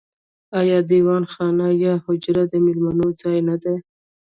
آیا دیوان خانه یا حجره د میلمنو ځای نه دی؟